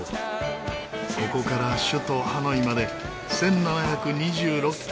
ここから首都ハノイまで１７２６キロを走ります。